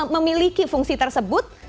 memiliki fungsi tersebut